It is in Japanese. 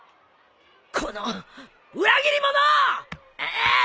この裏切り者！